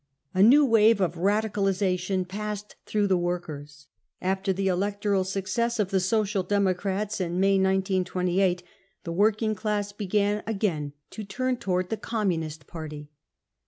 A new wave of radicalisation passed through the workers. After the electoral success of the Social Democrats in May 1928 the working class began again to turn towards the Communist Party.